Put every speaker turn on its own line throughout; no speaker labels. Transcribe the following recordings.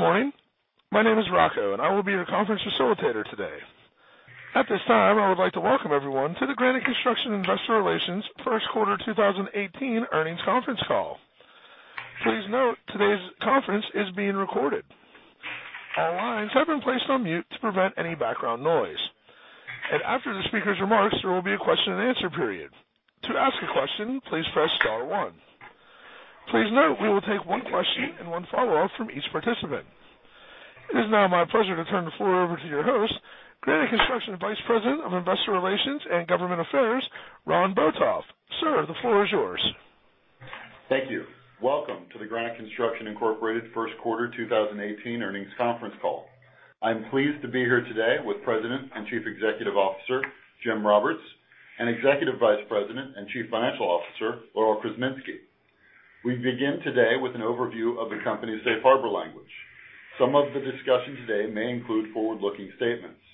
Good morning. My name is Rocco and I will be your conference facilitator today. At this time, I would like to welcome everyone to the Granite Construction Investor Relations First Quarter 2018 Earnings Conference Call. Please note today's conference is being recorded. All lines have been placed on mute to prevent any background noise. After the speaker's remarks, there will be a question and answer period. To ask a question, please press star one. Please note we will take one question and one follow-up from each participant. It is now my pleasure to turn the floor over to your host, Granite Construction Vice President of Investor Relations and Government Affairs, Ron Botoff. Sir, the floor is yours.
Thank you. Welcome to the Granite Construction Incorporated First Quarter 2018 Earnings Conference Call. I'm pleased to be here today with President and Chief Executive Officer Jim Roberts and Executive Vice President and Chief Financial Officer Laurel Krzeminski. We begin today with an overview of the company's safe harbor language. Some of the discussion today may include forward-looking statements.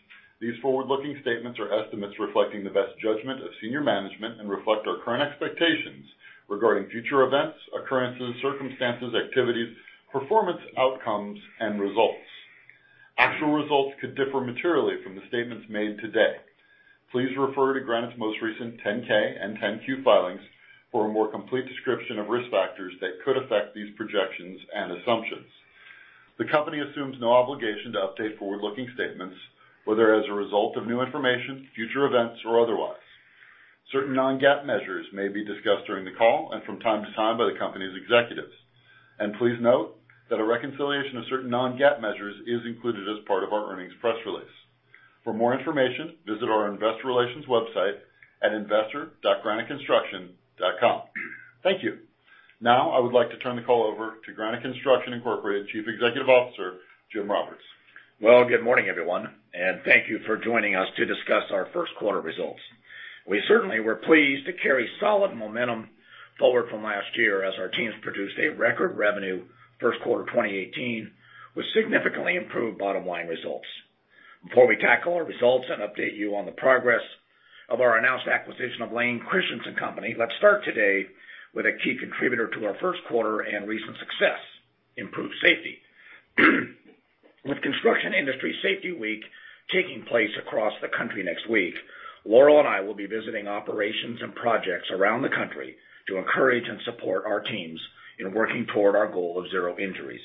These forward-looking statements are estimates reflecting the best judgment of senior management and reflect our current expectations regarding future events, occurrences, circumstances, activities, performance, outcomes, and results. Actual results could differ materially from the statements made today. Please refer to Granite's most recent 10-K and 10-Q filings for a more complete description of risk factors that could affect these projections and assumptions. The company assumes no obligation to update forward-looking statements, whether as a result of new information, future events, or otherwise. Certain non-GAAP measures may be discussed during the call and from time to time by the company's executives. Please note that a reconciliation of certain non-GAAP measures is included as part of our earnings press release. For more information, visit our investor relations website at investor.graniteconstruction.com. Thank you. Now, I would like to turn the call over to Granite Construction Incorporated Chief Executive Officer Jim Roberts.
Well, good morning everyone, and thank you for joining us to discuss our first quarter results. We certainly were pleased to carry solid momentum forward from last year as our teams produced a record revenue first quarter 2018 with significantly improved bottom line results. Before we tackle our results and update you on the progress of our announced acquisition of Layne Christensen Company, let's start today with a key contributor to our first quarter and recent success: improved safety. With Construction Industry Safety Week taking place across the country next week, Laurel and I will be visiting operations and projects around the country to encourage and support our teams in working toward our goal of zero injuries.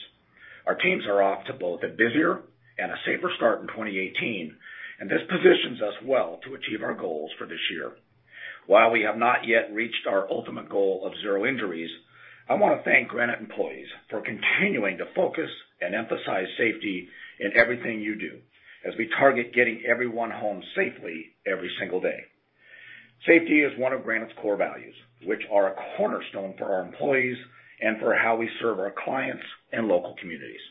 Our teams are off to both a busier and a safer start in 2018, and this positions us well to achieve our goals for this year. While we have not yet reached our ultimate goal of zero injuries, I want to thank Granite employees for continuing to focus and emphasize safety in everything you do as we target getting everyone home safely every single day. Safety is one of Granite's core values, which are a cornerstone for our employees and for how we serve our clients and local communities.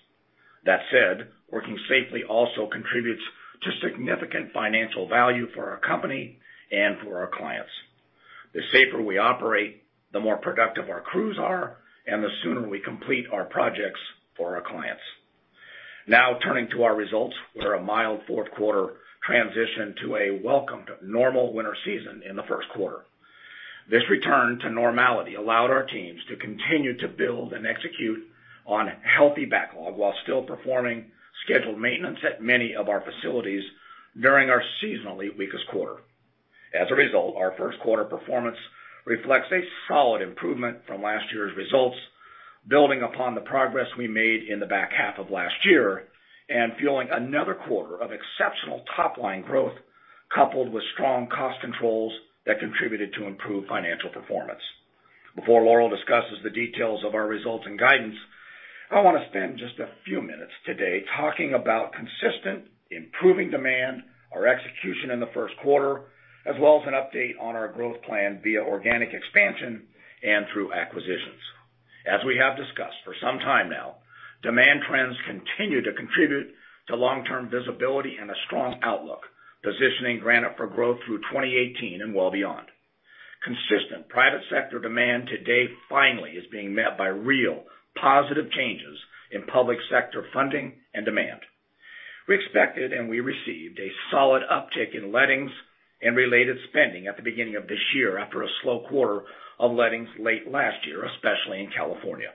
That said, working safely also contributes to significant financial value for our company and for our clients. The safer we operate, the more productive our crews are, and the sooner we complete our projects for our clients. Now, turning to our results, we're a mild fourth quarter transition to a welcomed normal winter season in the first quarter. This return to normality allowed our teams to continue to build and execute on healthy backlog while still performing scheduled maintenance at many of our facilities during our seasonally weakest quarter. As a result, our first quarter performance reflects a solid improvement from last year's results, building upon the progress we made in the back half of last year and fueling another quarter of exceptional top line growth coupled with strong cost controls that contributed to improved financial performance. Before Laurel discusses the details of our results and guidance, I want to spend just a few minutes today talking about consistent improving demand, our execution in the first quarter, as well as an update on our growth plan via organic expansion and through acquisitions. As we have discussed for some time now, demand trends continue to contribute to long-term visibility and a strong outlook, positioning Granite for growth through 2018 and well beyond. Consistent private sector demand today finally is being met by real positive changes in public sector funding and demand. We expected and we received a solid uptick in lettings and related spending at the beginning of this year after a slow quarter of lettings late last year, especially in California.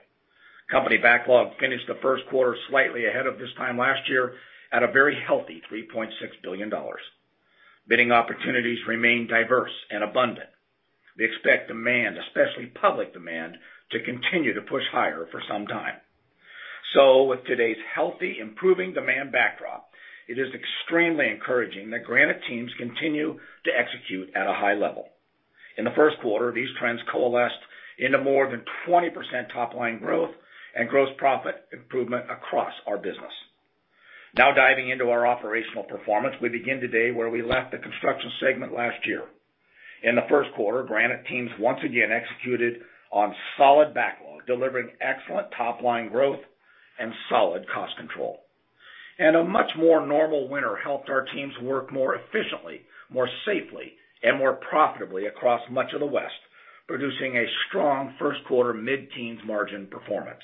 Company backlog finished the first quarter slightly ahead of this time last year at a very healthy $3.6 billion. Bidding opportunities remain diverse and abundant. We expect demand, especially public demand, to continue to push higher for some time. So, with today's healthy improving demand backdrop, it is extremely encouraging that Granite teams continue to execute at a high level. In the first quarter, these trends coalesced into more than 20% top line growth and gross profit improvement across our business. Now, diving into our operational performance, we begin today where we left the construction segment last year. In the first quarter, Granite teams once again executed on solid backlog, delivering excellent top line growth and solid cost control. A much more normal winter helped our teams work more efficiently, more safely, and more profitably across much of the west, producing a strong first quarter mid-teens margin performance.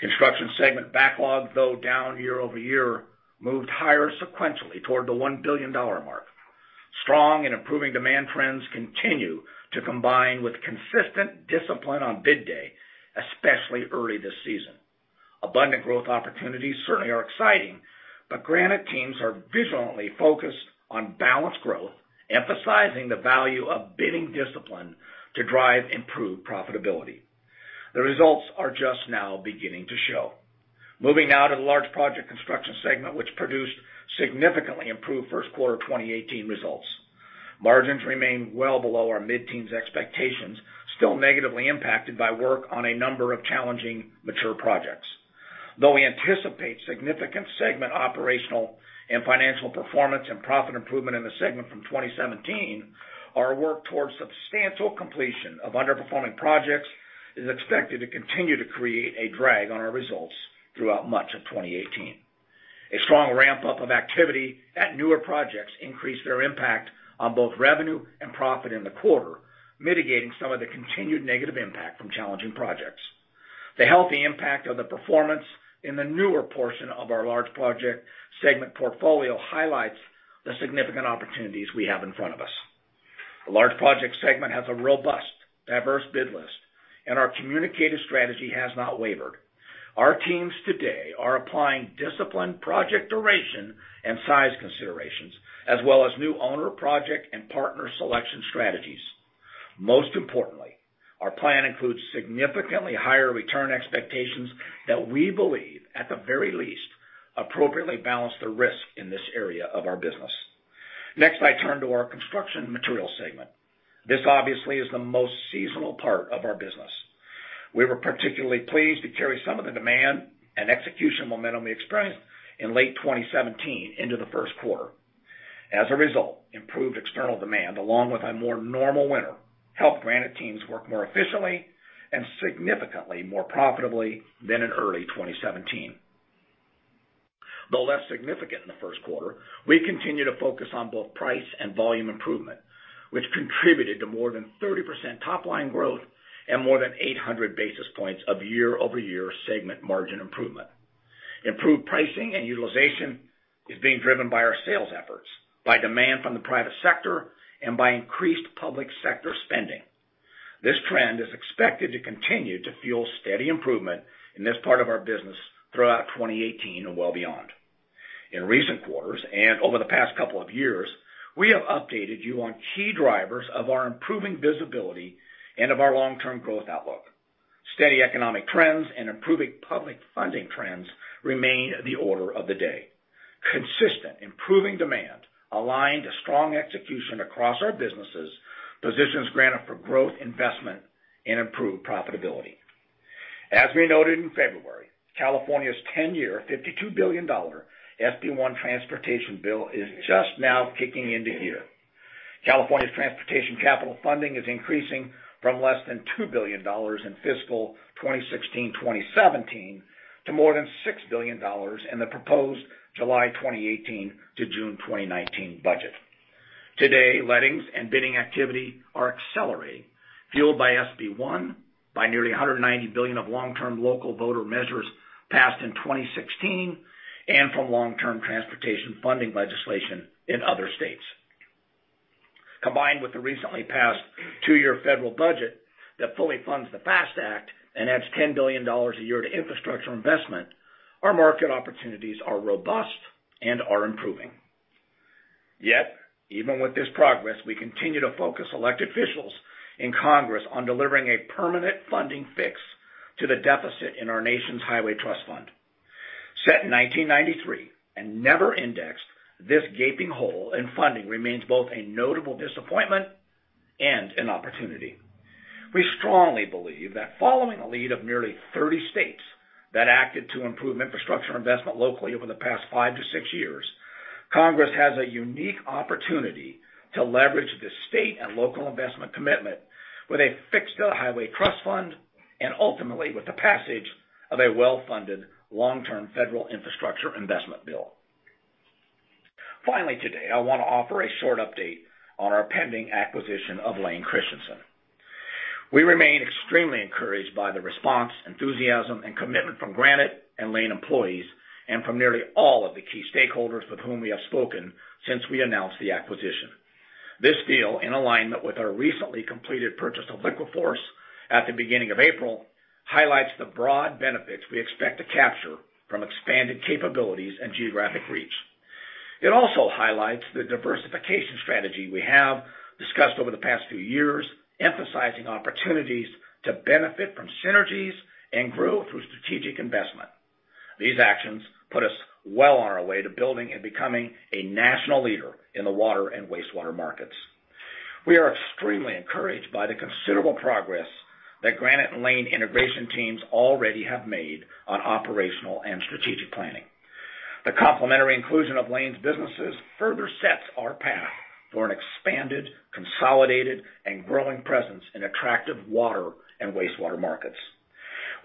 Construction segment backlog, though down year-over-year, moved higher sequentially toward the $1 billion mark. Strong and improving demand trends continue to combine with consistent discipline on bid day, especially early this season. Abundant growth opportunities certainly are exciting, but Granite teams are vigilantly focused on balanced growth, emphasizing the value of bidding discipline to drive improved profitability. The results are just now beginning to show. Moving now to the large project construction segment, which produced significantly improved first quarter 2018 results. Margins remain well below our mid-teens expectations, still negatively impacted by work on a number of challenging mature projects. Though we anticipate significant segment operational and financial performance and profit improvement in the segment from 2017, our work towards substantial completion of underperforming projects is expected to continue to create a drag on our results throughout much of 2018. A strong ramp-up of activity at newer projects increased their impact on both revenue and profit in the quarter, mitigating some of the continued negative impact from challenging projects. The healthy impact of the performance in the newer portion of our large project segment portfolio highlights the significant opportunities we have in front of us. The large project segment has a robust, diverse bid list, and our communicated strategy has not wavered. Our teams today are applying discipline, project duration, and size considerations, as well as new owner project and partner selection strategies. Most importantly, our plan includes significantly higher return expectations that we believe, at the very least, appropriately balance the risk in this area of our business. Next, I turn to our construction materials segment. This obviously is the most seasonal part of our business. We were particularly pleased to carry some of the demand and execution momentum we experienced in late 2017 into the first quarter. As a result, improved external demand, along with a more normal winter, helped Granite teams work more efficiently and significantly more profitably than in early 2017. Though less significant in the first quarter, we continue to focus on both price and volume improvement, which contributed to more than 30% top line growth and more than 800 basis points of year-over-year segment margin improvement. Improved pricing and utilization is being driven by our sales efforts, by demand from the private sector, and by increased public sector spending. This trend is expected to continue to fuel steady improvement in this part of our business throughout 2018 and well beyond. In recent quarters and over the past couple of years, we have updated you on key drivers of our improving visibility and of our long-term growth outlook. Steady economic trends and improving public funding trends remain the order of the day. Consistent improving demand, aligned to strong execution across our businesses, positions Granite for growth, investment, and improved profitability. As we noted in February, California's 10-year $52 billion SB1 transportation bill is just now kicking into gear. California's transportation capital funding is increasing from less than $2 billion in fiscal 2016-2017 to more than $6 billion in the proposed July 2018 to June 2019 budget. Today, lettings and bidding activity are accelerating, fueled by SB1, by nearly $190 billion of long-term local voter measures passed in 2016, and from long-term transportation funding legislation in other states. Combined with the recently passed two-year federal budget that fully funds the FAST Act and adds $10 billion a year to infrastructure investment, our market opportunities are robust and are improving. Yet, even with this progress, we continue to focus elected officials in Congress on delivering a permanent funding fix to the deficit in our nation's Highway Trust Fund. Set in 1993 and never indexed, this gaping hole in funding remains both a notable disappointment and an opportunity. We strongly believe that following the lead of nearly 30 states that acted to improve infrastructure investment locally over the past five to six years, Congress has a unique opportunity to leverage the state and local investment commitment with a fix to the Highway Trust Fund and ultimately with the passage of a well-funded long-term federal infrastructure investment bill. Finally today, I want to offer a short update on our pending acquisition of Layne Christensen. We remain extremely encouraged by the response, enthusiasm, and commitment from Granite and Layne employees, and from nearly all of the key stakeholders with whom we have spoken since we announced the acquisition. This deal, in alignment with our recently completed purchase of LiquiForce at the beginning of April, highlights the broad benefits we expect to capture from expanded capabilities and geographic reach. It also highlights the diversification strategy we have discussed over the past few years, emphasizing opportunities to benefit from synergies and grow through strategic investment. These actions put us well on our way to building and becoming a national leader in the water and wastewater markets. We are extremely encouraged by the considerable progress that Granite and Layne integration teams already have made on operational and strategic planning. The complementary inclusion of Layne's businesses further sets our path for an expanded, consolidated, and growing presence in attractive water and wastewater markets.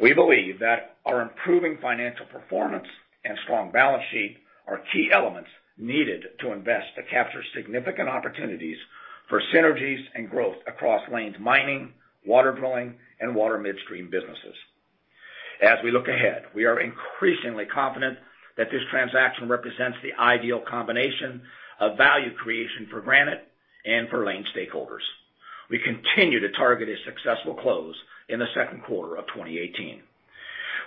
We believe that our improving financial performance and strong balance sheet are key elements needed to invest to capture significant opportunities for synergies and growth across Layne's mining, water drilling, and water midstream businesses. As we look ahead, we are increasingly confident that this transaction represents the ideal combination of value creation for Granite and for Layne stakeholders. We continue to target a successful close in the second quarter of 2018.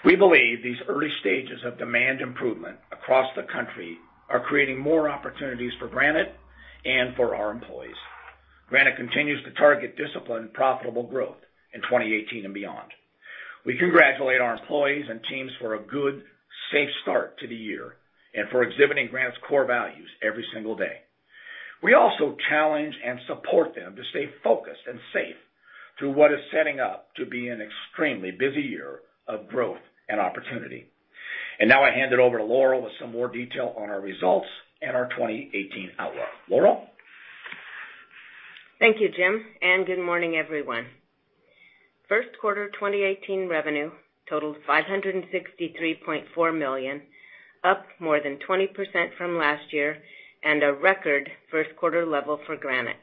We believe these early stages of demand improvement across the country are creating more opportunities for Granite and for our employees. Granite continues to target disciplined profitable growth in 2018 and beyond. We congratulate our employees and teams for a good, safe start to the year and for exhibiting Granite's core values every single day. We also challenge and support them to stay focused and safe through what is setting up to be an extremely busy year of growth and opportunity. And now I hand it over to Laurel with some more detail on our results and our 2018 outlook. Laurel?
Thank you, Jim. And good morning, everyone. First quarter 2018 revenue totaled $563.4 million, up more than 20% from last year and a record first quarter level for Granite.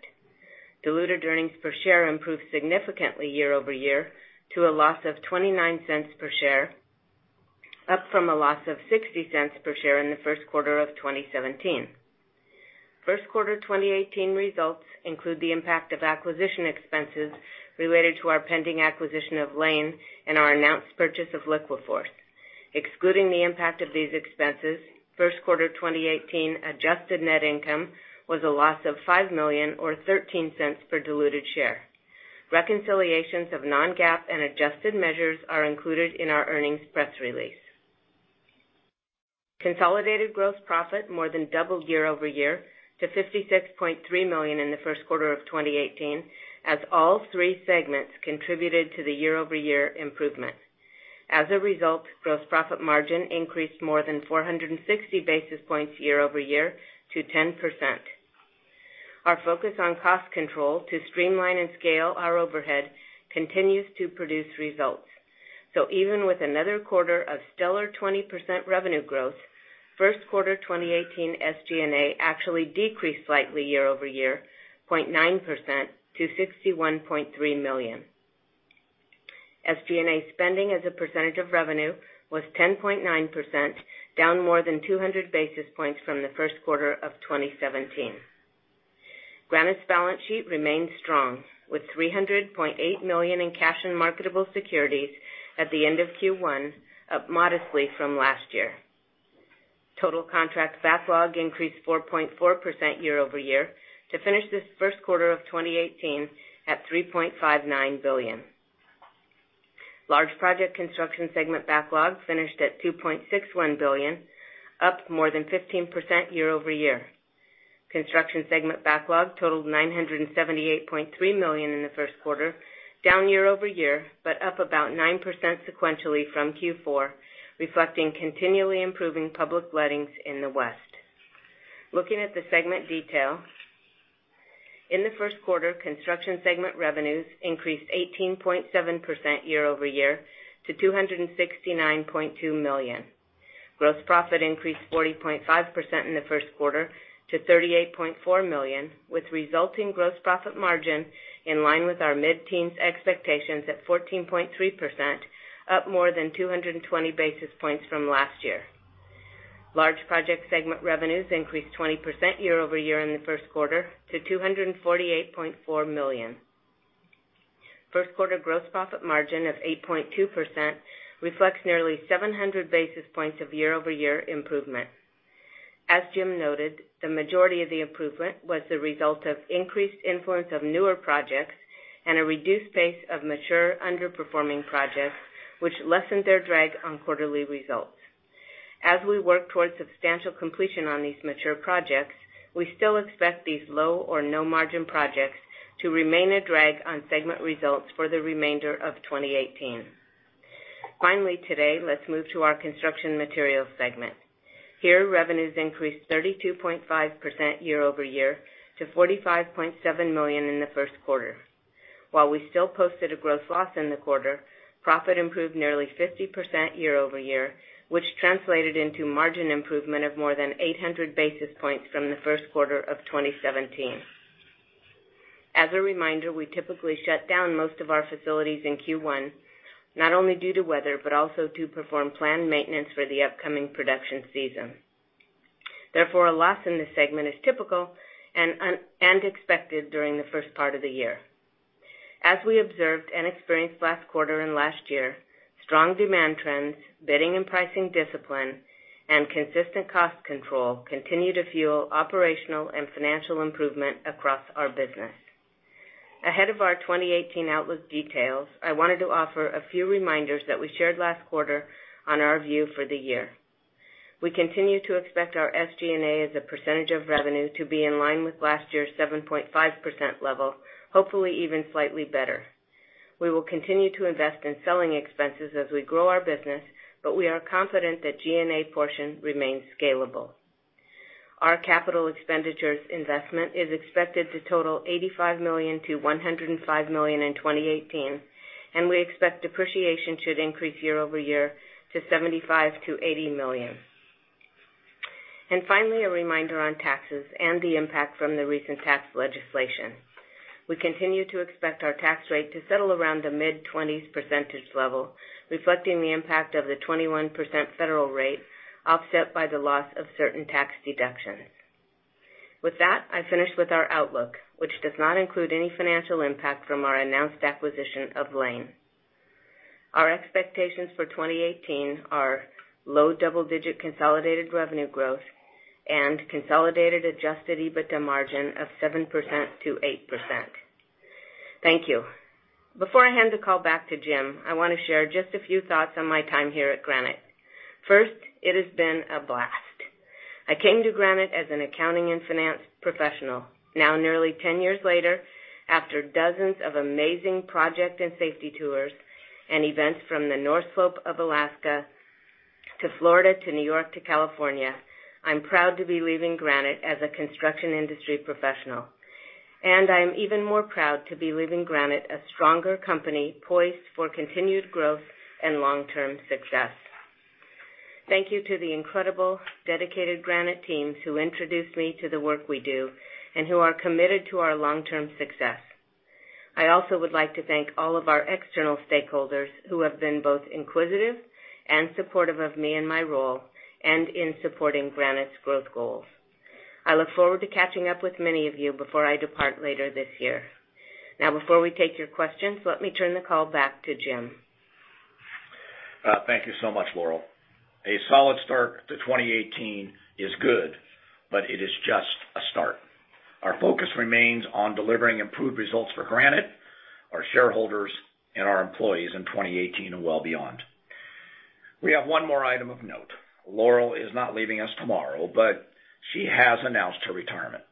Diluted earnings per share improved significantly year-over-year to a loss of $0.29 per share, up from a loss of $0.60 per share in the first quarter of 2017. First quarter 2018 results include the impact of acquisition expenses related to our pending acquisition of Layne and our announced purchase of LiquiForce. Excluding the impact of these expenses, first quarter 2018 adjusted net income was a loss of $5.13 per diluted share. Reconciliations of non-GAAP and adjusted measures are included in our earnings press release. Consolidated gross profit more than doubled year-over-year to $56.3 million in the first quarter of 2018, as all three segments contributed to the year-over-year improvement. As a result, gross profit margin increased more than 460 basis points year-over-year to 10%. Our focus on cost control to streamline and scale our overhead continues to produce results. So even with another quarter of stellar 20% revenue growth, first quarter 2018 SG&A actually decreased slightly year-over-year, 0.9% to $61.3 million. SG&A spending as a percentage of revenue was 10.9%, down more than 200 basis points from the first quarter of 2017. Granite's balance sheet remained strong, with $300.8 million in cash and marketable securities at the end of Q1, up modestly from last year. Total contract backlog increased 4.4% year-over-year to finish this first quarter of 2018 at $3.59 billion. Large project construction segment backlog finished at $2.61 billion, up more than 15% year-over-year. Construction segment backlog totaled $978.3 million in the first quarter, down year-over-year, but up about 9% sequentially from Q4, reflecting continually improving public lettings in the West. Looking at the segment detail, in the first quarter, construction segment revenues increased 18.7% year-over-year to $269.2 million. Gross profit increased 40.5% in the first quarter to $38.4 million, with resulting gross profit margin in line with our mid-teens expectations at 14.3%, up more than 220 basis points from last year. Large project segment revenues increased 20% year-over-year in the first quarter to $248.4 million. First quarter gross profit margin of 8.2% reflects nearly 700 basis points of year-over-year improvement. As Jim noted, the majority of the improvement was the result of increased influence of newer projects and a reduced pace of mature underperforming projects, which lessened their drag on quarterly results. As we work towards substantial completion on these mature projects, we still expect these low or no-margin projects to remain a drag on segment results for the remainder of 2018. Finally today, let's move to our construction materials segment. Here, revenues increased 32.5% year-over-year to $45.7 million in the first quarter. While we still posted a gross loss in the quarter, profit improved nearly 50% year-over-year, which translated into margin improvement of more than 800 basis points from the first quarter of 2017. As a reminder, we typically shut down most of our facilities in Q1, not only due to weather but also to perform planned maintenance for the upcoming production season. Therefore, a loss in this segment is typical and expected during the first part of the year. As we observed and experienced last quarter and last year, strong demand trends, bidding and pricing discipline, and consistent cost control continue to fuel operational and financial improvement across our business. Ahead of our 2018 outlook details, I wanted to offer a few reminders that we shared last quarter on our view for the year. We continue to expect our SG&A as a percentage of revenue to be in line with last year's 7.5% level, hopefully even slightly better. We will continue to invest in selling expenses as we grow our business, but we are confident that G&A portion remains scalable. Our capital expenditures investment is expected to total $85 million-$105 million in 2018, and we expect depreciation should increase year-over-year to $75 million-$80 million. And finally, a reminder on taxes and the impact from the recent tax legislation. We continue to expect our tax rate to settle around the mid-20s% level, reflecting the impact of the 21% federal rate offset by the loss of certain tax deductions. With that, I finish with our outlook, which does not include any financial impact from our announced acquisition of Layne. Our expectations for 2018 are low double-digit consolidated revenue growth and consolidated adjusted EBITDA margin of 7%-8%. Thank you. Before I hand the call back to Jim, I want to share just a few thoughts on my time here at Granite. First, it has been a blast. I came to Granite as an accounting and finance professional. Now, nearly 10 years later, after dozens of amazing project and safety tours and events from the North Slope of Alaska to Florida to New York to California, I'm proud to be leaving Granite as a construction industry professional. I am even more proud to be leaving Granite a stronger company poised for continued growth and long-term success. Thank you to the incredible, dedicated Granite teams who introduced me to the work we do and who are committed to our long-term success. I also would like to thank all of our external stakeholders who have been both inquisitive and supportive of me in my role and in supporting Granite's growth goals. I look forward to catching up with many of you before I depart later this year. Now, before we take your questions, let me turn the call back to Jim.
Thank you so much, Laurel. A solid start to 2018 is good, but it is just a start. Our focus remains on delivering improved results for Granite, our shareholders, and our employees in 2018 and well beyond. We have one more item of note. Laurel is not leaving us tomorrow, but she has announced her retirement.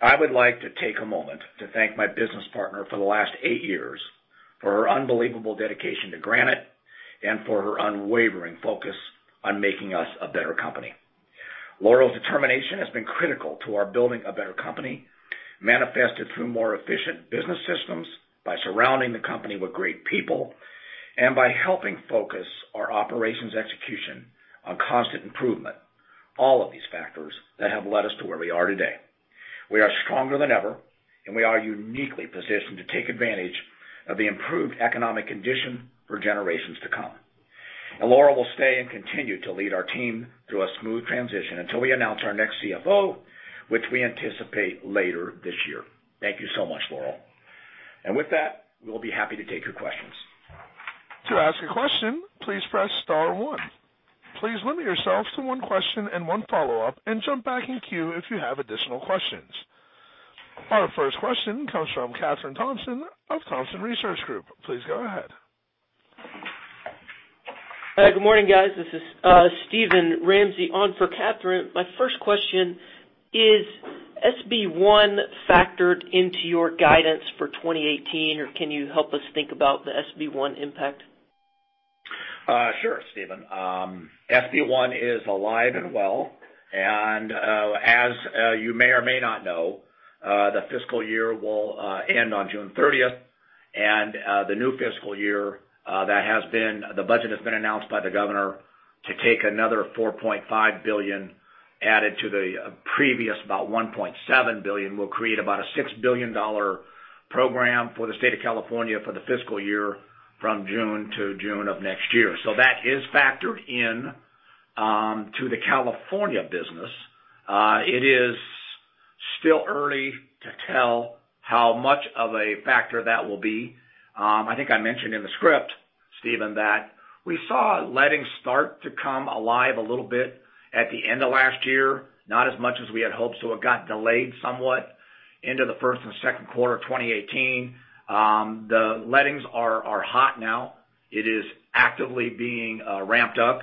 I would like to take a moment to thank my business partner for the last eight years for her unbelievable dedication to Granite and for her unwavering focus on making us a better company. Laurel's determination has been critical to our building a better company, manifested through more efficient business systems, by surrounding the company with great people, and by helping focus our operations execution on constant improvement, all of these factors that have led us to where we are today. We are stronger than ever, and we are uniquely positioned to take advantage of the improved economic condition for generations to come. Laurel will stay and continue to lead our team through a smooth transition until we announce our next CFO, which we anticipate later this year. Thank you so much, Laurel. With that, we'll be happy to take your questions.
To ask a question, please press star one. Please limit yourself to one question and one follow-up, and jump back in queue if you have additional questions. Our first question comes from Katherine Thompson of Thompson Research Group. Please go ahead.
Good morning, guys. This is Steven Ramsey on for Katherine. My first question is, SB1 factored into your guidance for 2018, or can you help us think about the SB1 impact?
Sure, Steven. SB1 is alive and well. And as you may or may not know, the fiscal year will end on June 30th. And the new fiscal year that has been, the budget has been announced by the governor to take another $4.5 billion added to the previous about $1.7 billion, will create about a $6 billion program for the state of California for the fiscal year from June to June of next year. So that is factored into the California business. It is still early to tell how much of a factor that will be. I think I mentioned in the script, Steven, that we saw lettings start to come alive a little bit at the end of last year, not as much as we had hoped. So it got delayed somewhat into the first and second quarter of 2018. The lettings are hot now. It is actively being ramped up.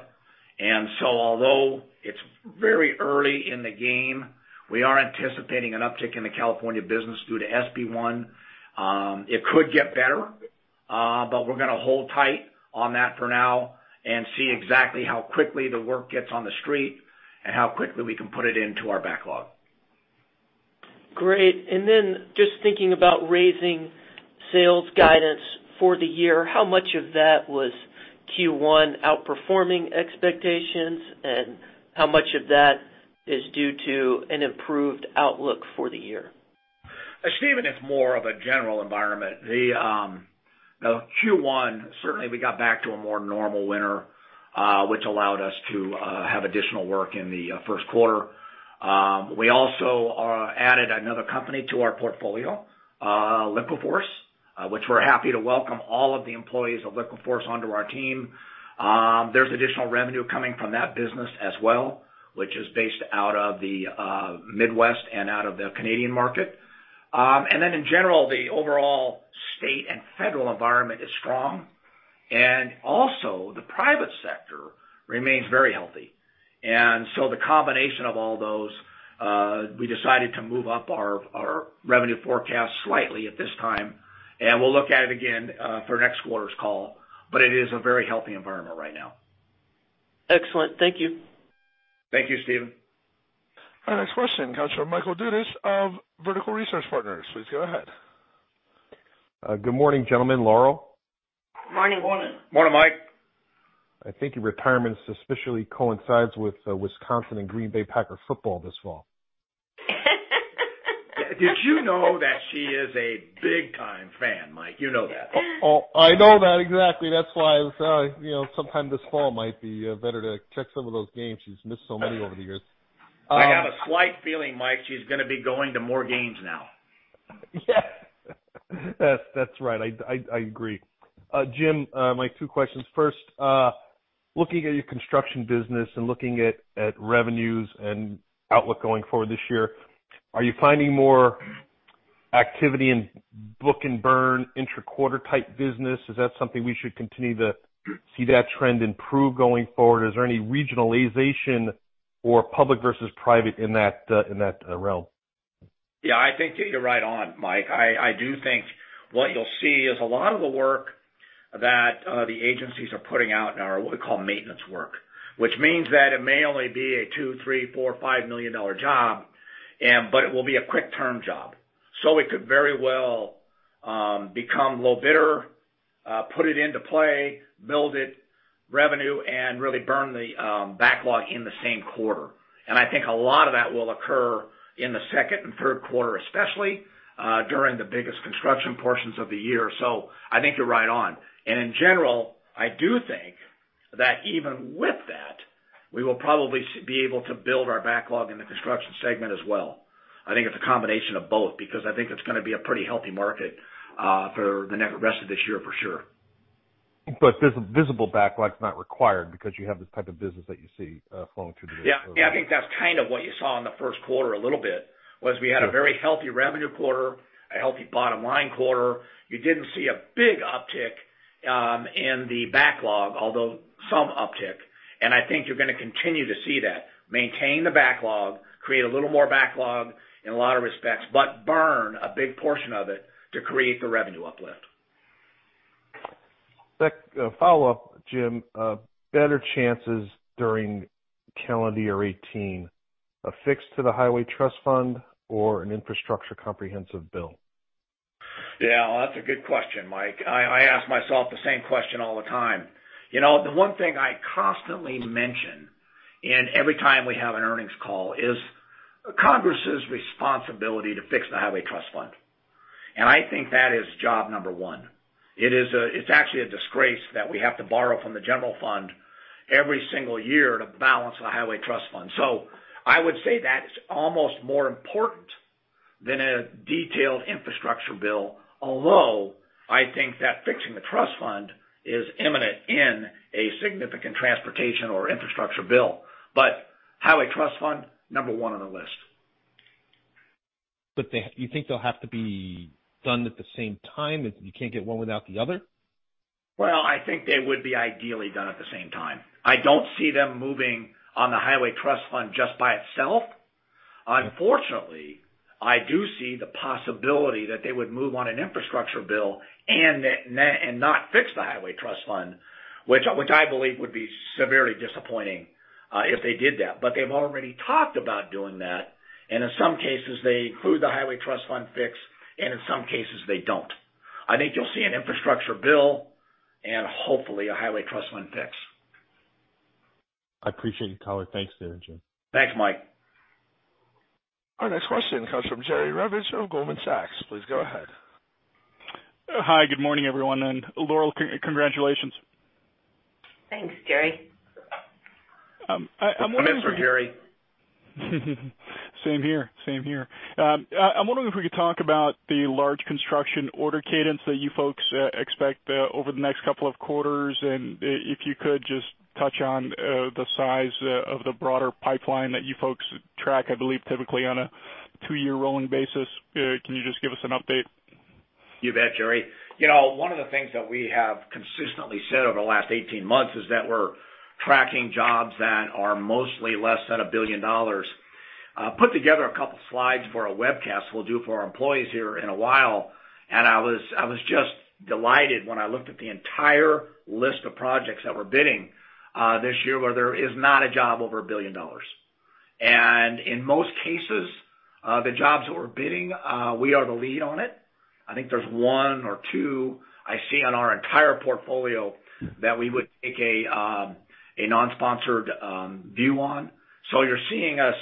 And so although it's very early in the game, we are anticipating an uptick in the California business due to SB1. It could get better, but we're going to hold tight on that for now and see exactly how quickly the work gets on the street and how quickly we can put it into our backlog.
Great. And then just thinking about raising sales guidance for the year, how much of that was Q1 outperforming expectations, and how much of that is due to an improved outlook for the year?
Steven, it's more of a general environment. The Q1, certainly we got back to a more normal winter, which allowed us to have additional work in the first quarter. We also added another company to our portfolio, LiquiForce, which we're happy to welcome all of the employees of LiquiForce onto our team. There's additional revenue coming from that business as well, which is based out of the Midwest and out of the Canadian market. And then in general, the overall state and federal environment is strong. And also, the private sector remains very healthy. And so the combination of all those, we decided to move up our revenue forecast slightly at this time. And we'll look at it again for next quarter's call, but it is a very healthy environment right now.
Excellent. Thank you.
Thank you, Steven.
Our next question, analyst Michael Dudas of Vertical Research Partners. Please go ahead.
Good morning, gentlemen. Laurel?
Morning.
Morning, Mike.
I think your retirement suspiciously coincides with Wisconsin and Green Bay Packers football this fall.
Did you know that she is a big-time fan, Mike? You know that.
I know that exactly. That's why I was sometime this fall might be better to check some of those games. She's missed so many over the years.
I have a slight feeling, Mike, she's going to be going to more games now.
Yeah. That's right. I agree. Jim, my two questions. First, looking at your construction business and looking at revenues and outlook going forward this year, are you finding more activity in book and burn intraquarter type business? Is that something we should continue to see that trend improve going forward? Is there any regionalization or public versus private in that realm?
Yeah, I think you're right on, Mike. I do think what you'll see is a lot of the work that the agencies are putting out now are what we call maintenance work, which means that it may only be a $2, $3, $4, $5 million job, but it will be a quick-term job. So it could very well become low bidder, put it into play, build it, revenue, and really burn the backlog in the same quarter. And I think a lot of that will occur in the second and third quarter, especially during the biggest construction portions of the year. So I think you're right on. And in general, I do think that even with that, we will probably be able to build our backlog in the construction segment as well. I think it's a combination of both because I think it's going to be a pretty healthy market for the rest of this year, for sure.
Visible backlog is not required because you have this type of business that you see flowing through the business.
Yeah, I think that's kind of what you saw in the first quarter a little bit, was we had a very healthy revenue quarter, a healthy bottom line quarter. You didn't see a big uptick in the backlog, although some uptick. I think you're going to continue to see that. Maintain the backlog, create a little more backlog in a lot of respects, but burn a big portion of it to create the revenue uplift.
Follow-up, Jim. Better chances during calendar year 2018, a fix to the Highway Trust Fund or an infrastructure comprehensive bill?
Yeah, that's a good question, Mike. I ask myself the same question all the time. The one thing I constantly mention every time we have an earnings call is Congress's responsibility to fix the Highway Trust Fund. And I think that is job number one. It's actually a disgrace that we have to borrow from the general fund every single year to balance the Highway Trust Fund. So I would say that's almost more important than a detailed infrastructure bill, although I think that fixing the trust fund is imminent in a significant transportation or infrastructure bill. But Highway Trust Fund, number one on the list.
But you think they'll have to be done at the same time? You can't get one without the other?
Well, I think they would be ideally done at the same time. I don't see them moving on the Highway Trust Fund just by itself. Unfortunately, I do see the possibility that they would move on an infrastructure bill and not fix the Highway Trust Fund, which I believe would be severely disappointing if they did that. But they've already talked about doing that. And in some cases, they include the Highway Trust Fund fix, and in some cases, they don't. I think you'll see an infrastructure bill and hopefully a Highway Trust Fund fix.
I appreciate you telling. Thanks there, Jim.
Thanks, Mike.
Our next question comes from Jerry Revich of Goldman Sachs. Please go ahead.
Hi, good morning, everyone. And Laurel, congratulations.
Thanks, Jerry.
I'm wondering if.
Good evening, Jerry.
Same here. Same here. I'm wondering if we could talk about the large construction order cadence that you folks expect over the next couple of quarters. And if you could just touch on the size of the broader pipeline that you folks track, I believe, typically on a two-year rolling basis. Can you just give us an update?
You bet, Jerry. One of the things that we have consistently said over the last 18 months is that we're tracking jobs that are mostly less than $1 billion. Put together a couple of slides for a webcast we'll do for our employees here in a while. I was just delighted when I looked at the entire list of projects that we're bidding this year where there is not a job over $1 billion. In most cases, the jobs that we're bidding, we are the lead on it. I think there's one or two I see on our entire portfolio that we would take a non-sponsored view on. So you're seeing us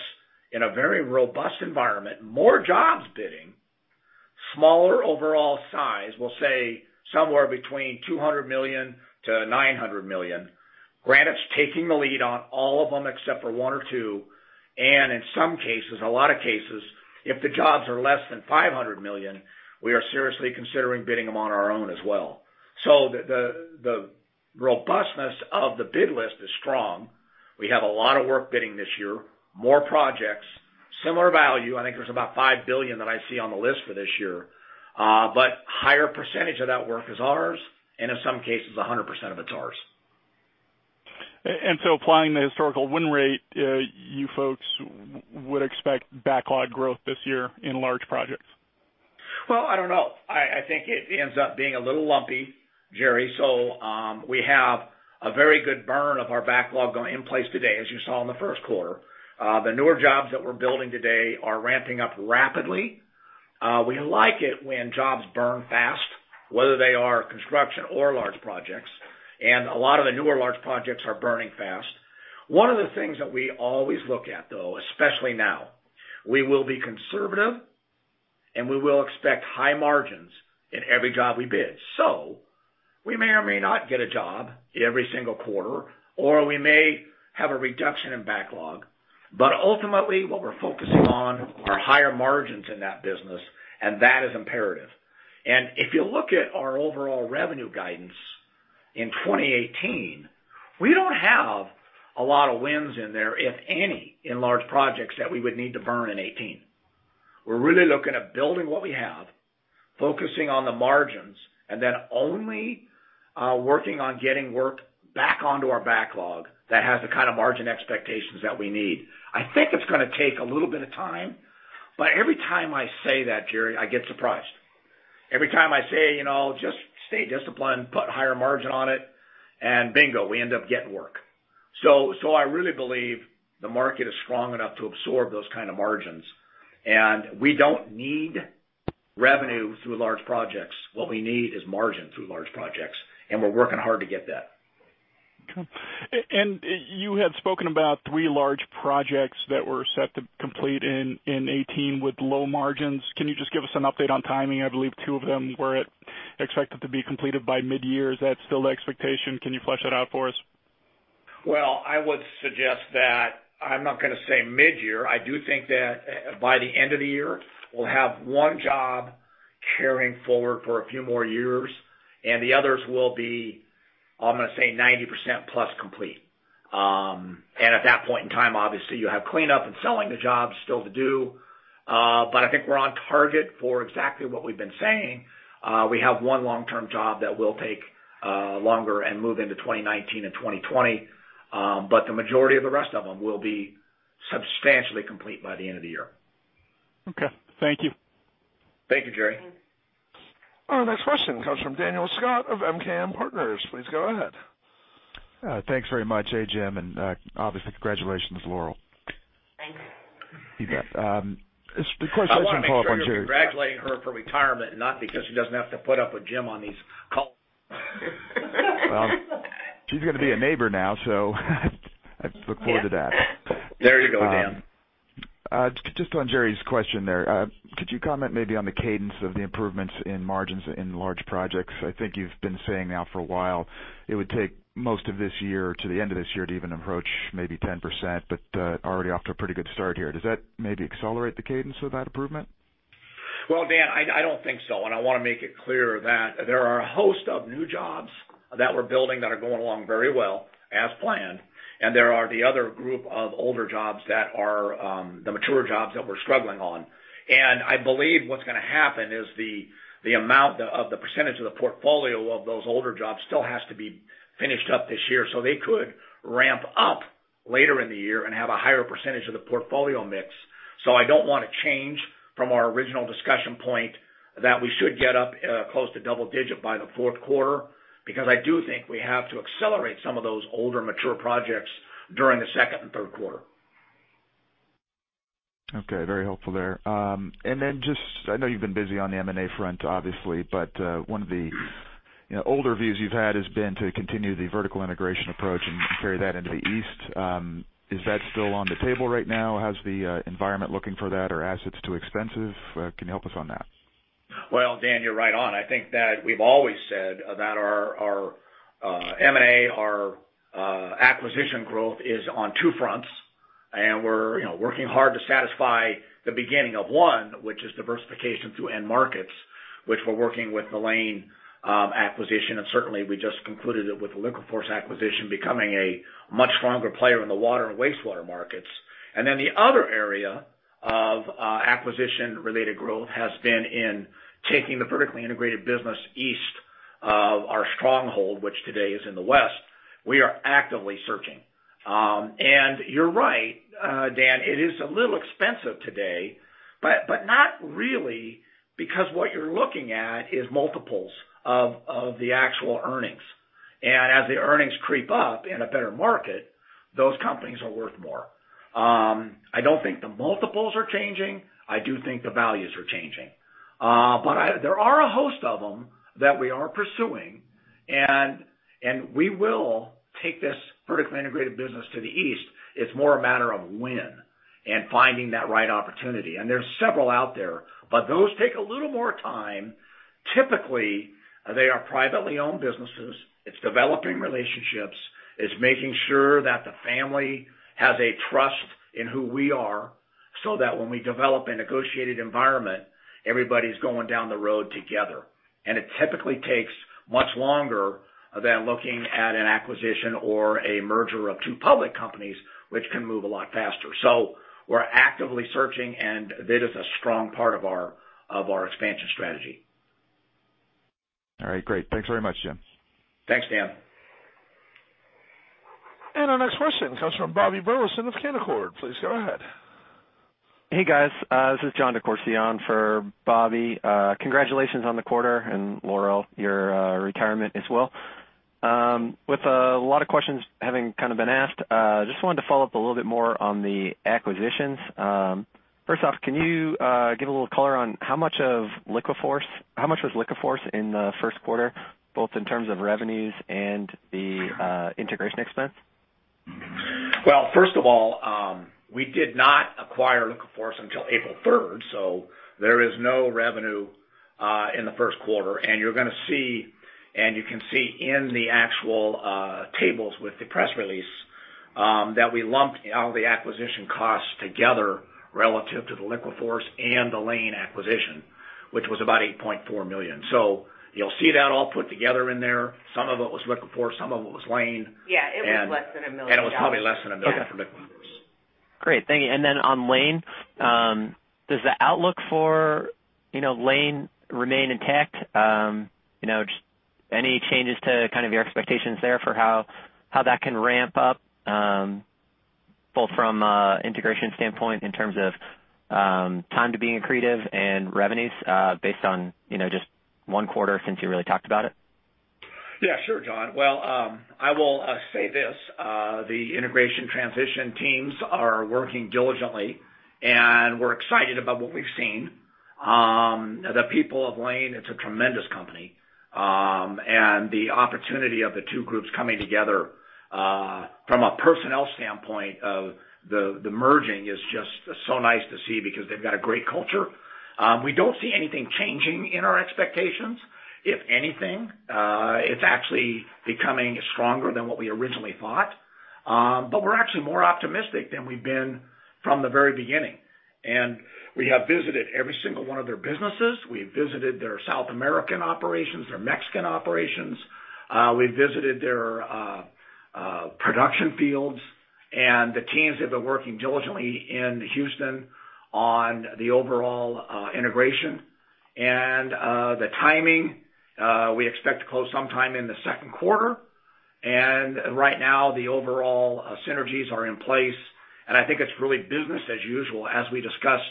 in a very robust environment, more jobs bidding, smaller overall size, we'll say somewhere between $200 million-$900 million. Granite's taking the lead on all of them except for one or two. In some cases, a lot of cases, if the jobs are less than $500 million, we are seriously considering bidding them on our own as well. The robustness of the bid list is strong. We have a lot of work bidding this year, more projects, similar value. I think there's about $5 billion that I see on the list for this year. A higher percentage of that work is ours. In some cases, 100% of it's ours.
And so applying the historical win rate, you folks would expect backlog growth this year in large projects?
Well, I don't know. I think it ends up being a little lumpy, Jerry. So we have a very good burn of our backlog going in place today, as you saw in the first quarter. The newer jobs that we're building today are ramping up rapidly. We like it when jobs burn fast, whether they are construction or large projects. And a lot of the newer large projects are burning fast. One of the things that we always look at, though, especially now, we will be conservative and we will expect high margins in every job we bid. So we may or may not get a job every single quarter, or we may have a reduction in backlog. But ultimately, what we're focusing on are higher margins in that business, and that is imperative. If you look at our overall revenue guidance in 2018, we don't have a lot of wins in there, if any, in large projects that we would need to burn in 2018. We're really looking at building what we have, focusing on the margins, and then only working on getting work back onto our backlog that has the kind of margin expectations that we need. I think it's going to take a little bit of time, but every time I say that, Jerry, I get surprised. Every time I say, "Just stay disciplined, put a higher margin on it," and bingo, we end up getting work. So I really believe the market is strong enough to absorb those kinds of margins. We don't need revenue through large projects. What we need is margin through large projects. We're working hard to get that.
You had spoken about three large projects that were set to complete in 2018 with low margins. Can you just give us an update on timing? I believe two of them were expected to be completed by mid-year. Is that still the expectation? Can you flesh that out for us?
Well, I would suggest that I'm not going to say mid-year. I do think that by the end of the year, we'll have one job carrying forward for a few more years, and the others will be, I'm going to say, 90%+ complete. And at that point in time, obviously, you'll have cleanup and selling the jobs still to do. But I think we're on target for exactly what we've been saying. We have one long-term job that will take longer and move into 2019 and 2020. But the majority of the rest of them will be substantially complete by the end of the year.
Okay. Thank you.
Thank you, Jerry.
Our next question comes from Daniel Scott of MKM Partners. Please go ahead.
Thanks very much, Jim, and obviously, congratulations, Laurel.
Thanks.
You bet. The question I just wanted to follow up on, Jerry.
I'm congratulating her for retirement, not because she doesn't have to put up with Jim on these calls.
Well, she's going to be a neighbor now, so I look forward to that.
There you go, Dan.
Just on Jerry's question there, could you comment maybe on the cadence of the improvements in margins in large projects? I think you've been saying now for a while it would take most of this year to the end of this year to even approach maybe 10%, but already off to a pretty good start here. Does that maybe accelerate the cadence of that improvement?
Well, Dan, I don't think so. I want to make it clear that there are a host of new jobs that we're building that are going along very well as planned. There are the other group of older jobs that are the mature jobs that we're struggling on. I believe what's going to happen is the amount of the percentage of the portfolio of those older jobs still has to be finished up this year. So they could ramp up later in the year and have a higher percentage of the portfolio mix. So I don't want to change from our original discussion point that we should get up close to double digit by the fourth quarter because I do think we have to accelerate some of those older mature projects during the second and third quarter.
Okay. Very helpful there. And then just I know you've been busy on the M&A front, obviously, but one of the older views you've had has been to continue the vertical integration approach and carry that into the east. Is that still on the table right now? How's the environment looking for that? Are assets too expensive? Can you help us on that?
Well, Dan, you're right on. I think that we've always said that our M&A, our acquisition growth is on two fronts. And we're working hard to satisfy the beginning of one, which is diversification through end markets, which we're working with Layne acquisition. And certainly, we just concluded it with the LiquiForce acquisition becoming a much stronger player in the water and wastewater markets. And then the other area of acquisition-related growth has been in taking the vertically integrated business east of our stronghold, which today is in the west. We are actively searching. And you're right, Dan, it is a little expensive today, but not really because what you're looking at is multiples of the actual earnings. And as the earnings creep up in a better market, those companies are worth more. I don't think the multiples are changing. I do think the values are changing. But there are a host of them that we are pursuing. And we will take this vertically integrated business to the east. It's more a matter of when and finding that right opportunity. And there's several out there, but those take a little more time. Typically, they are privately owned businesses. It's developing relationships. It's making sure that the family has a trust in who we are so that when we develop a negotiated environment, everybody's going down the road together. And it typically takes much longer than looking at an acquisition or a merger of two public companies, which can move a lot faster. So we're actively searching, and that is a strong part of our expansion strategy.
All right. Great. Thanks very much, Jim.
Thanks, Dan.
Our next question comes from Bobby Burleson of Canaccord Genuity. Please go ahead.
Hey, guys. This is John DeCourcey for Bobby. Congratulations on the quarter, and Laurel, your retirement as well. With a lot of questions having kind of been asked, I just wanted to follow up a little bit more on the acquisitions. First off, can you give a little color on how much was LiquiForce in the first quarter, both in terms of revenues and the integration expense?
Well, first of all, we did not acquire LiquiForce until April 3rd. So there is no revenue in the first quarter. And you're going to see, and you can see in the actual tables with the press release that we lumped all the acquisition costs together relative to the LiquiForce and the Layne acquisition, which was about $8.4 million. So you'll see that all put together in there. Some of it was LiquiForce. Some of it was Layne.
Yeah. It was less than $1 million.
It was probably less than $1 million for LiquiForce.
Great. Thank you. And then on Layne, does the outlook for Layne remain intact? Just any changes to kind of your expectations there for how that can ramp up, both from an integration standpoint in terms of time to being accretive and revenues based on just one quarter since you really talked about it?
Yeah, sure, John. Well, I will say this. The integration transition teams are working diligently, and we're excited about what we've seen. The people of Layne, it's a tremendous company. And the opportunity of the two groups coming together from a personnel standpoint of the merging is just so nice to see because they've got a great culture. We don't see anything changing in our expectations. If anything, it's actually becoming stronger than what we originally thought. But we're actually more optimistic than we've been from the very beginning. And we have visited every single one of their businesses. We've visited their South American operations, their Mexican operations. We've visited their production fields. And the teams have been working diligently in Houston on the overall integration. And the timing, we expect to close sometime in the second quarter. And right now, the overall synergies are in place. I think it's really business as usual, as we discussed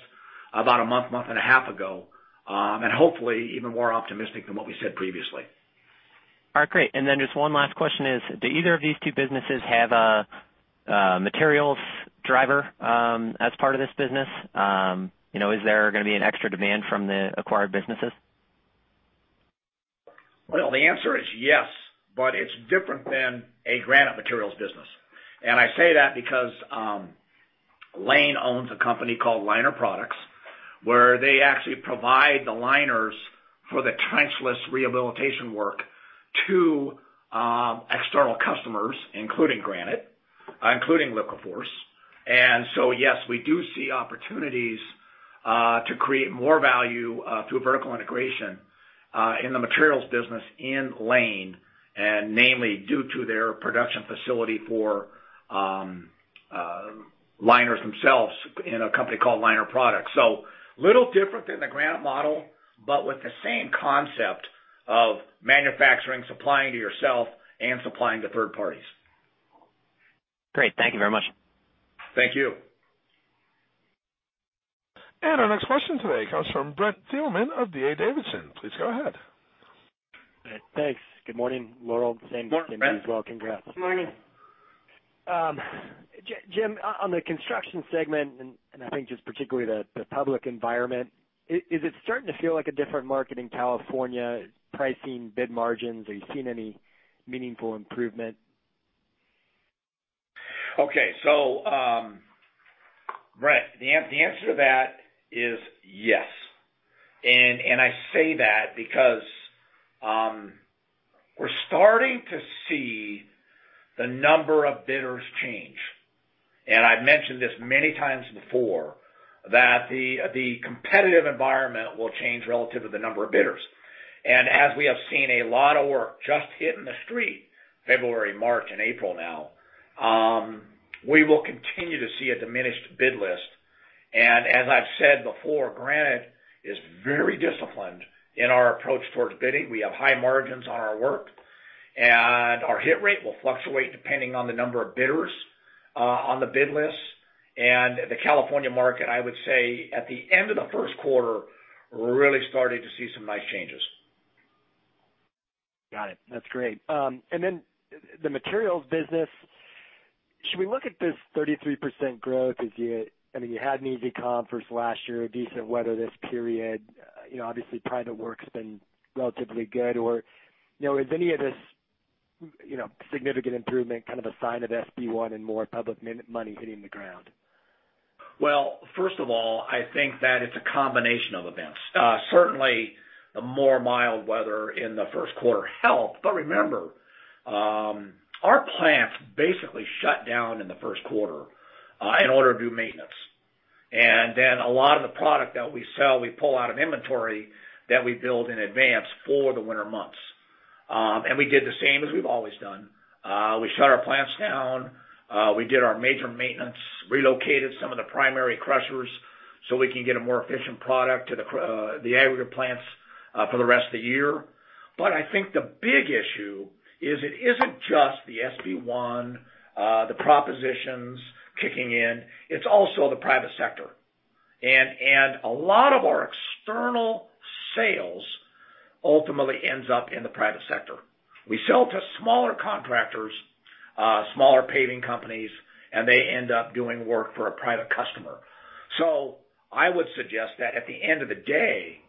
about a month, month and a half ago, and hopefully even more optimistic than what we said previously.
All right. Great. And then just one last question is, do either of these two businesses have a materials driver as part of this business? Is there going to be an extra demand from the acquired businesses?
Well, the answer is yes, but it's different than a Granite materials business. And I say that because Layne owns a company called Liner Products, where they actually provide the liners for the trenchless rehabilitation work to external customers, including Granite, including LiquiForce. And so, yes, we do see opportunities to create more value through vertical integration in the materials business in Layne, and namely due to their production facility for liners themselves in a company called Liner Products. So a little different than the Granite model, but with the same concept of manufacturing, supplying to yourself, and supplying to third parties.
Great. Thank you very much.
Thank you.
Our next question today comes from Brent Thielman of D.A. Davidson. Please go ahead.
Thanks. Good morning, Laurel. Same as well. Congrats.
Good morning.
Jim, on the construction segment, and I think just particularly the public environment, is it starting to feel like a different market in California? Pricing, bid margins? Are you seeing any meaningful improvement?
Okay. So, Brent, the answer to that is yes. And I say that because we're starting to see the number of bidders change. And I've mentioned this many times before, that the competitive environment will change relative to the number of bidders. And as we have seen a lot of work just hit in the street, February, March, and April now, we will continue to see a diminished bid list. And as I've said before, Granite is very disciplined in our approach towards bidding. We have high margins on our work. And our hit rate will fluctuate depending on the number of bidders on the bid list. And the California market, I would say, at the end of the first quarter, really started to see some nice changes.
Got it. That's great. And then the materials business, should we look at this 33% growth? I mean, you had an easy comp for last year, decent weather this period. Obviously, private work's been relatively good. Or is any of this significant improvement kind of a sign of SB1 and more public money hitting the ground?
Well, first of all, I think that it's a combination of events. Certainly, the more mild weather in the first quarter helped. But remember, our plants basically shut down in the first quarter in order to do maintenance. And then a lot of the product that we sell, we pull out of inventory that we build in advance for the winter months. And we did the same as we've always done. We shut our plants down. We did our major maintenance, relocated some of the primary crushers so we can get a more efficient product to the aggregate plants for the rest of the year. But I think the big issue is it isn't just the SB1, the propositions kicking in. It's also the private sector. And a lot of our external sales ultimately ends up in the private sector. We sell to smaller contractors, smaller paving companies, and they end up doing work for a private customer. So I would suggest that at the end of the day,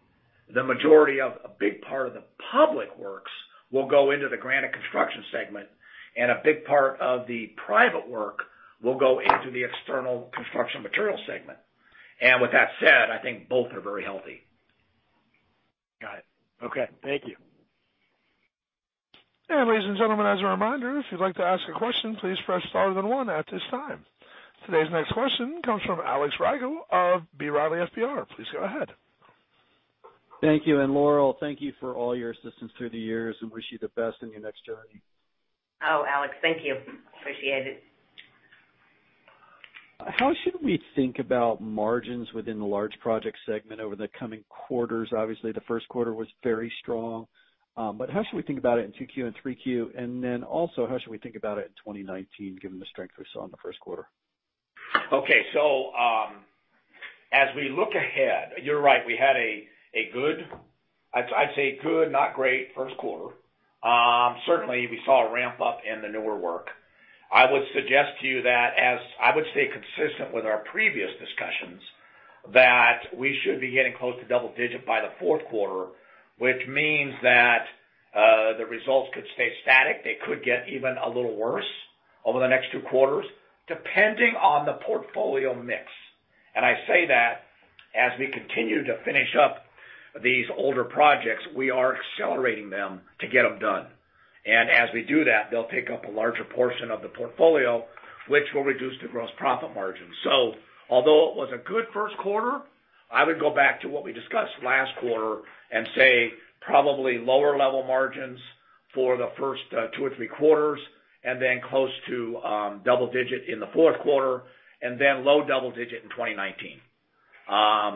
the majority of a big part of the public works will go into the Granite Construction segment, and a big part of the private work will go into the external construction material segment. And with that said, I think both are very healthy.
Got it. Okay. Thank you.
Ladies and gentlemen, as a reminder, if you'd like to ask a question, please press star then one at this time. Today's next question comes from Alex Rygiel of B. Riley FBR. Please go ahead.
Thank you. And Laurel, thank you for all your assistance through the years, and wish you the best in your next journey.
Oh, Alex, thank you. Appreciate it.
How should we think about margins within the large project segment over the coming quarters? Obviously, the first quarter was very strong. How should we think about it in 2Q and 3Q? Also, how should we think about it in 2019, given the strength we saw in the first quarter?
Okay. So as we look ahead, you're right. We had a good, I'd say good, not great first quarter. Certainly, we saw a ramp up in the newer work. I would suggest to you that, as I would say consistent with our previous discussions, that we should be getting close to double digit by the fourth quarter, which means that the results could stay static. They could get even a little worse over the next 2 quarters, depending on the portfolio mix. And I say that as we continue to finish up these older projects, we are accelerating them to get them done. And as we do that, they'll take up a larger portion of the portfolio, which will reduce the gross profit margin. So although it was a good first quarter, I would go back to what we discussed last quarter and say probably lower level margins for the first 2 or 3 quarters, and then close to double-digit in the fourth quarter, and then low double-digit in 2019. I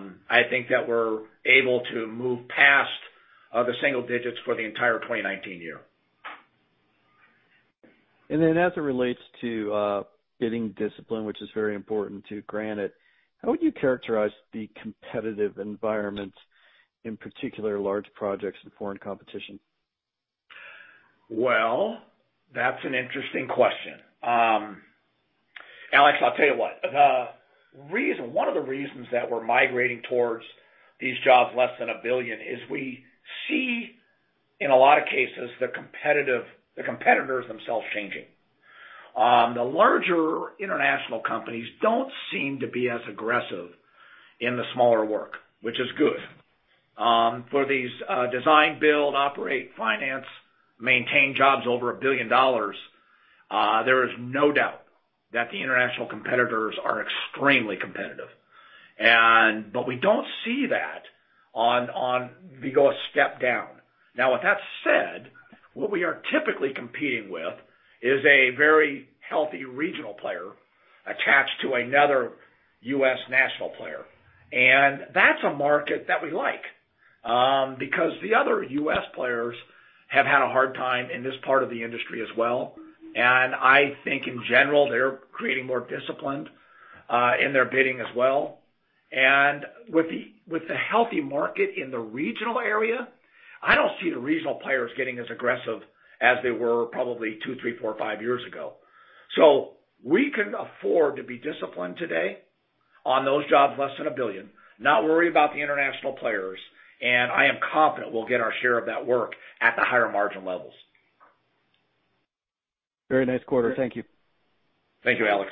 think that we're able to move past the single digits for the entire 2019 year.
And then as it relates to getting discipline, which is very important to Granite, how would you characterize the competitive environment, in particular large projects and foreign competition?
Well, that's an interesting question. Alex, I'll tell you what. One of the reasons that we're migrating towards these jobs less than $1 billion is we see, in a lot of cases, the competitors themselves changing. The larger international companies don't seem to be as aggressive in the smaller work, which is good. For these design, build, operate, finance, maintain jobs over $1 billion, there is no doubt that the international competitors are extremely competitive. But we don't see that once we go a step down. Now, with that said, what we are typically competing with is a very healthy regional player attached to another U.S. national player. And that's a market that we like because the other U.S. players have had a hard time in this part of the industry as well. And I think, in general, they're creating more discipline in their bidding as well. With the healthy market in the regional area, I don't see the regional players getting as aggressive as they were probably two, three, four, five years ago. So we can afford to be disciplined today on those jobs less than $1 billion, not worry about the international players. I am confident we'll get our share of that work at the higher margin levels.
Very nice quarter. Thank you.
Thank you, Alex.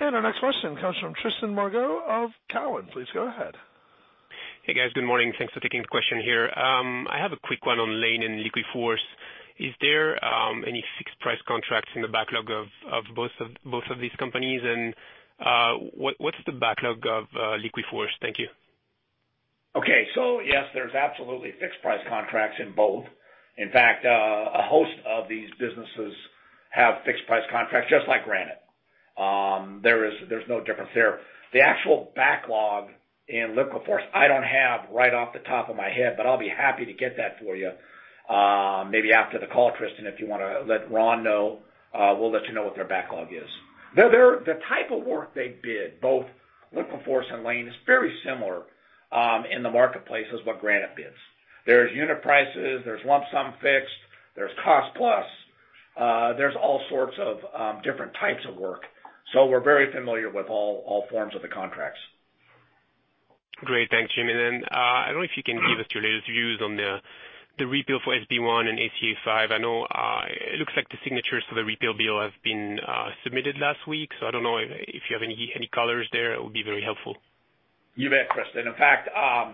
Our next question comes from Tristan Margot of Cowen. Please go ahead.
Hey, guys. Good morning. Thanks for taking the question here. I have a quick one on Layne and LiquiForce. Is there any fixed price contracts in the backlog of both of these companies? And what's the backlog of LiquiForce? Thank you.
Okay. So yes, there's absolutely fixed price contracts in both. In fact, a host of these businesses have fixed price contracts just like Granite. There's no difference there. The actual backlog in LiquiForce, I don't have right off the top of my head, but I'll be happy to get that for you maybe after the call, Tristan, if you want to let Ron know. We'll let you know what their backlog is. The type of work they bid, both LiquiForce and Layne, is very similar in the marketplace as what Granite bids. There's unit prices. There's lump sum fixed. There's cost plus. There's all sorts of different types of work. So we're very familiar with all forms of the contracts.
Great. Thanks, Jimmy. Then I don't know if you can give us your latest views on the repeal for SB1 and ACA 5. I know it looks like the signatures for the repeal bill have been submitted last week. So I don't know if you have any colors there. It would be very helpful.
You bet, Tristan. In fact,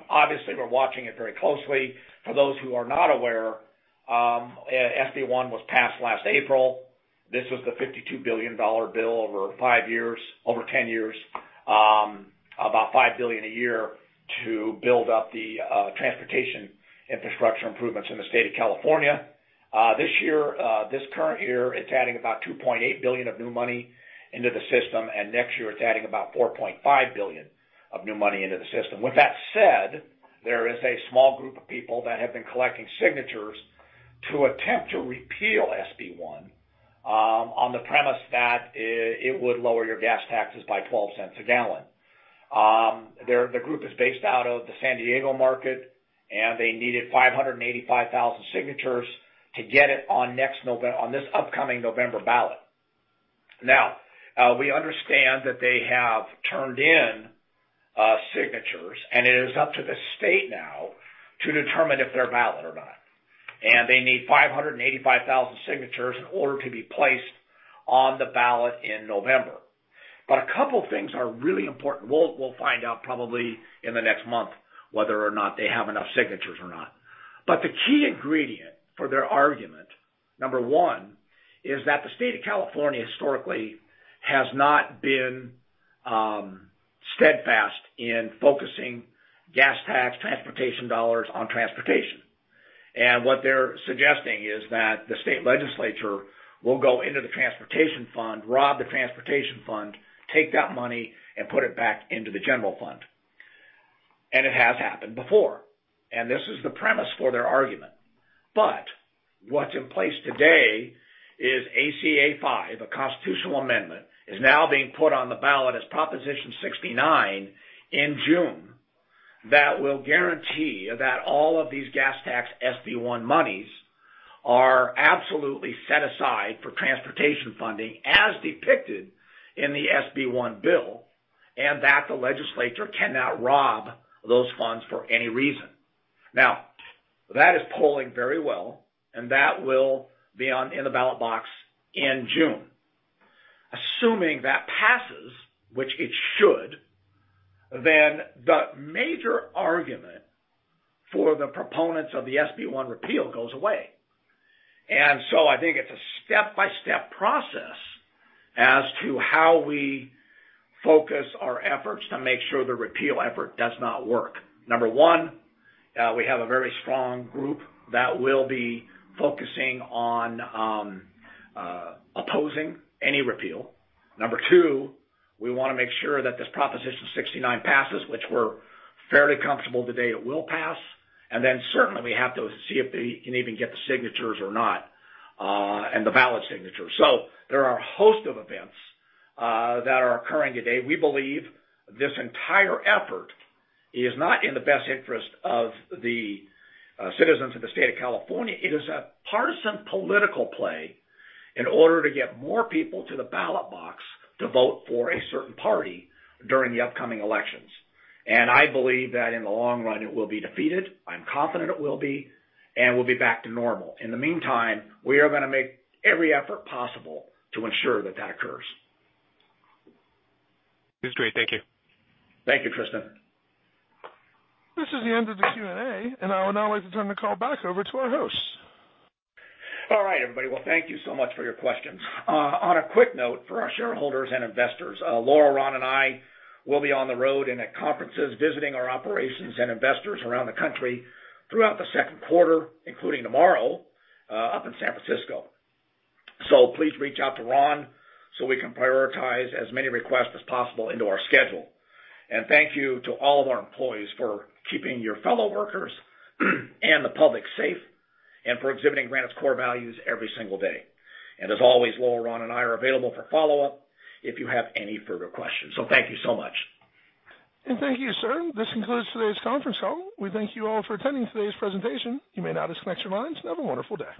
obviously, we're watching it very closely. For those who are not aware, SB1 was passed last April. This was the $52 billion bill over 10 years, about $5 billion a year to build up the transportation infrastructure improvements in the state of California. This year, this current year, it's adding about $2.8 billion of new money into the system. And next year, it's adding about $4.5 billion of new money into the system. With that said, there is a small group of people that have been collecting signatures to attempt to repeal SB1 on the premise that it would lower your gas taxes by $0.12 a gallon. The group is based out of the San Diego market, and they needed 585,000 signatures to get it on this upcoming November ballot. Now, we understand that they have turned in signatures, and it is up to the state now to determine if they're valid or not. They need 585,000 signatures in order to be placed on the ballot in November. A couple of things are really important. We'll find out probably in the next month whether or not they have enough signatures or not. The key ingredient for their argument, number one, is that the state of California historically has not been steadfast in focusing gas tax, transportation dollars on transportation. What they're suggesting is that the state legislature will go into the transportation fund, rob the transportation fund, take that money, and put it back into the general fund. It has happened before. This is the premise for their argument. But what's in place today is ACA 5, a constitutional amendment, is now being put on the ballot as Proposition 69 in June that will guarantee that all of these gas tax SB1 monies are absolutely set aside for transportation funding as depicted in the SB1 bill, and that the legislature cannot rob those funds for any reason. Now, that is polling very well, and that will be in the ballot box in June. Assuming that passes, which it should, then the major argument for the proponents of the SB1 repeal goes away. And so I think it's a step-by-step process as to how we focus our efforts to make sure the repeal effort does not work. Number one, we have a very strong group that will be focusing on opposing any repeal. Number 2, we want to make sure that this Proposition 69 passes, which we're fairly comfortable today it will pass. Then certainly, we have to see if they can even get the signatures or not, and the valid signatures. There are a host of events that are occurring today. We believe this entire effort is not in the best interest of the citizens of the state of California. It is a partisan political play in order to get more people to the ballot box to vote for a certain party during the upcoming elections. I believe that in the long run, it will be defeated. I'm confident it will be, and we'll be back to normal. In the meantime, we are going to make every effort possible to ensure that that occurs.
This is great. Thank you.
Thank you, Tristan.
This is the end of the Q&A, and I would now like to turn the call back over to our hosts.
All right, everybody. Well, thank you so much for your questions. On a quick note for our shareholders and investors, Laurel, Ron, and I will be on the road in conferences visiting our operations and investors around the country throughout the second quarter, including tomorrow up in San Francisco. Please reach out to Ron so we can prioritize as many requests as possible into our schedule. Thank you to all of our employees for keeping your fellow workers and the public safe and for exhibiting Granite's core values every single day. As always, Laurel, Ron, and I are available for follow-up if you have any further questions. Thank you so much.
Thank you, sir. This concludes today's conference call. We thank you all for attending today's presentation. You may now disconnect lines. Have a wonderful day.